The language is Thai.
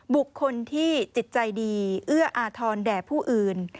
บุคคลที่จิตใจดีเอื้ออาทรแด่ผู้อื่น